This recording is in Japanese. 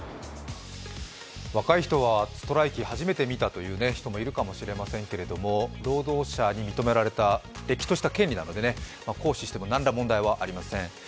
若い人はストライキ、初めて見たという人もいるかもしれませんけど労働者に認められた、れっきとした権利なので、行使しても何ら問題はありません。